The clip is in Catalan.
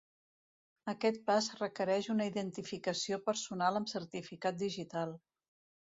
Aquest pas requereix una identificació personal amb certificat digital.